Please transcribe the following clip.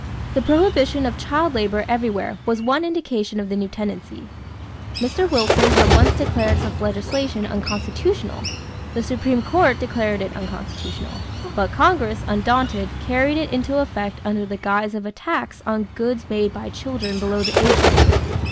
The prohibition of child labor everywhere was one indication of the new tendency. Mr. Wilson had once declared such legislation unconstitutional; the Supreme Court declared it unconstitutional; but Congress, undaunted, carried it into effect under the guise of a tax on goods made by children below the age limit.